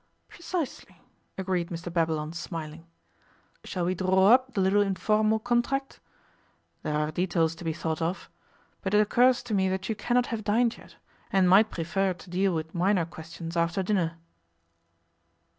'Precisely,' agreed Mr Babylon smiling. 'Shall we draw up the little informal contract? There are details to be thought of. But it occurs to me that you cannot have dined yet, and might prefer to deal with minor questions after dinner.